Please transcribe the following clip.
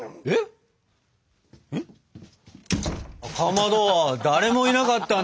えっ？